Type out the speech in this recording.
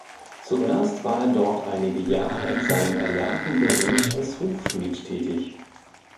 Zuerst war er dort einige Jahre in seinem erlernten Beruf als Hufschmied tätig.